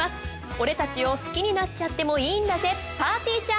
俺たちを好きになっちゃってもいいんだぜぱーてぃーちゃん。